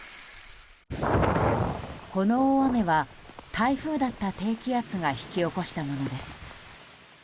この大雨は台風だった低気圧が引き起こしたものです。